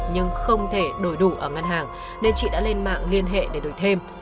nhưng không thể đổi đủ ở ngân hàng nên chị đã lên mạng liên hệ để đổi thêm